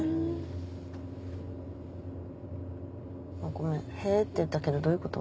ごめん「へぇ」って言ったけどどういうこと？